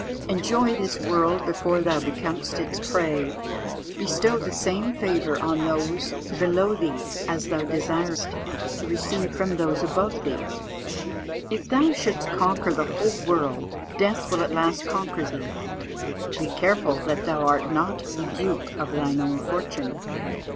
"Enjoy this world before thou becomest its prey. "Bestow the same favour on those below thee as thou desirest to receive from those above thee. "If thou shouldst conquer the whole world, death will at last conquer thee. "Be careful that thou art not the dupe of thine own fortune.